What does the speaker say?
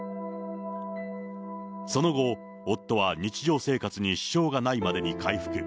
その後、夫は日常生活に支障がないまでに回復。